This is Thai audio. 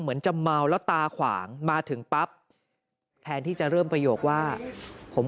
เหมือนจะเมาแล้วตาขวางมาถึงปั๊บแทนที่จะเริ่มประโยคว่าผม